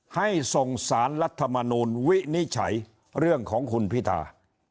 ให้ส่งสารรัฐมนูลวินิจฉัยเรื่องของคุณพิธา